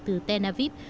từ tel aviv